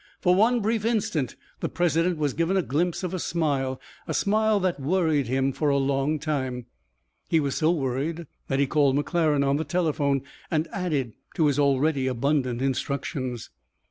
For one brief instant the president was given a glimpse of a smile, a smile that worried him for a long time. He was so worried that he called McClaren on the telephone and added to his already abundant instructions.